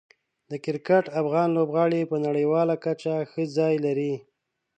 د کرکټ افغان لوبغاړو په نړیواله کچه ښه ځای لري.